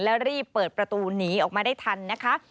แล้วรีบเปิดประตูหนีออกมาได้ทันนะคะ